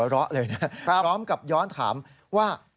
เลาะเลยนะพร้อมกับย้อนถามว่า